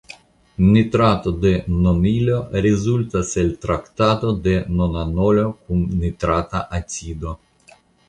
Nitrato de nonilo rezultas el traktado de nonanolo kun nitrata acido.